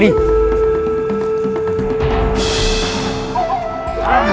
jika kita ingin melakukan perbuatan